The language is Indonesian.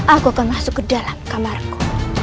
aku akan masuk ke dalam kamarku